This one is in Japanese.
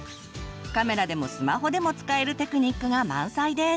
カメラでもスマホでも使えるテクニックが満載です！